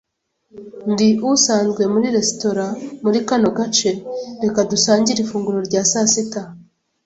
Ndi usanzwe muri resitora muri kano gace. Reka dusangire ifunguro rya saa sita.